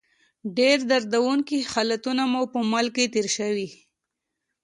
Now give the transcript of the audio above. ډېر دردونکي حالتونه مو په ملک کې تېر شوي.